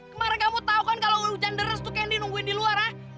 kemarin kamu tau kan kalo hujan deres tuh candy nungguin di luar ha